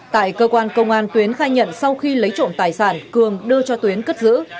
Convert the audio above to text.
tại cơ quan công an tuyến khai nhận sau khi lấy trộm tài sản cường đưa cho tuyến cất giữ